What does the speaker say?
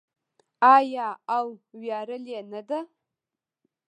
آیا او ویاړلې نه ده؟